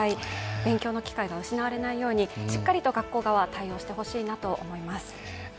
勉強の機会が失われないようにしっかりと学校側、対応してほしいなと思います。